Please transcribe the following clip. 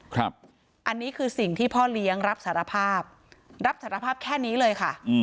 อันนี้คือสิ่งที่พ่อเลี้ยงรับสารภาพรับสารภาพแค่นี้เลยค่ะ